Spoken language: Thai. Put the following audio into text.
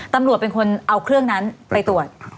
ตำรวจเป็นคนเอาเครื่องนั้นไปตรวจ